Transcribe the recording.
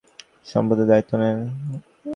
তিনি ভারতবর্ষ পত্রিকার সম্পাদকের দায়িত্ব নেন।